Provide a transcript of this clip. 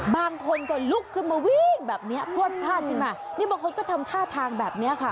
บางคนก็ลุกขึ้นมาวิ่งแบบเนี้ยพลวดพลาดขึ้นมานี่บางคนก็ทำท่าทางแบบนี้ค่ะ